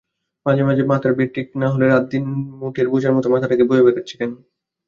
মাঝে মাঝে মাথার বেঠিক না হলে রাতদিন মুটের বোঝার মতো মাথাটাকে বয়ে বেড়াচ্ছি কেন?